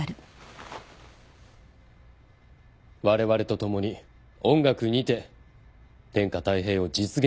われわれと共に音楽にて天下泰平を実現いたしましょう。